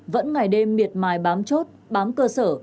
vẫn ngày đêm miệt mài bám chốt bám cơ sở